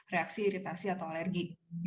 reaksi iritasi atau alergi